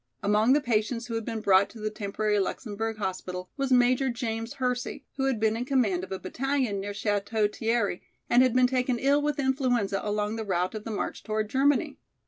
Among the patients who had been brought to the temporary Luxemburg hospital was Major James Hersey, who had been in command of a battalion near Château Thierry and had been taken ill with influenza along the route of the march toward Germany.